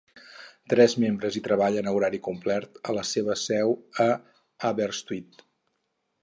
Tres membres hi treballen a horari complet, a la seva seu a Aberystwyth.